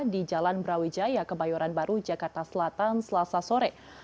di jalan brawijaya kebayoran baru jakarta selatan selasa sore